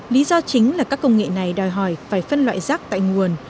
lý do chính là các công nghệ này đòi hỏi phải phân loại rác tại nguồn